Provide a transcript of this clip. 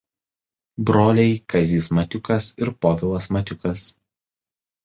Broliai Kazys Matiukas ir Povilas Matiukas.